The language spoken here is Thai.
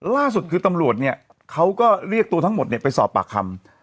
ล่าสุดคือตำรวจเนี่ยเขาก็เรียกตัวทั้งหมดเนี่ยไปสอบปากคำ